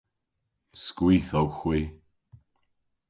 Skwith owgh hwi.